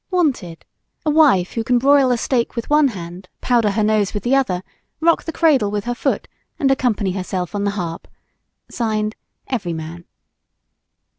Wanted: A wife who can broil a steak with one hand, powder her nose with the other, rock the cradle with her foot and accompany herself on the harp. (Signed) EVERYMAN.